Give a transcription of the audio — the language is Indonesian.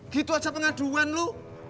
gitu aja pengaduan lu